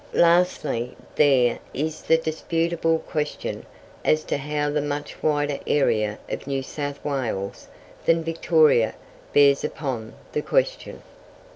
Lastly, there is the disputable question as to how the much wider area of New South Wales than Victoria bears upon the question.